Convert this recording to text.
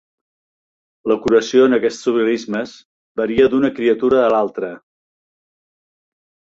La curació en aquests organismes varia d'una criatura a l'altra.